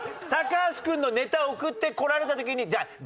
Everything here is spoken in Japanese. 橋君のネタ送ってこられた時に「じゃあ誰がやる？」